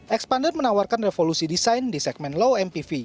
expander menawarkan revolusi desain di segmen low mpv